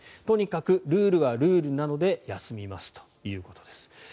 とにかくルールはルールなので休みますということです。